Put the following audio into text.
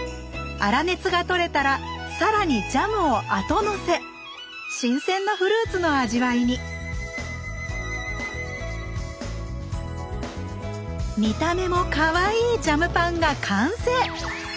粗熱がとれたらさらにジャムを後のせ新鮮なフルーツの味わいに見た目もかわいいジャムパンが完成！